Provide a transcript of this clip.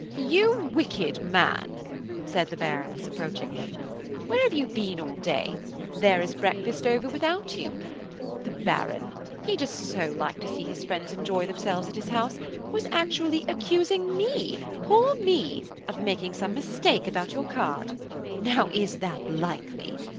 "You wicked man!" said the Baroness, approaching him, "where have you been all day? there is breakfast over without you. The Baron–he does so like to see his friends enjoy themselves at his house–was actually accusing me, poor me! of making some mistake about your card. Now is that likely?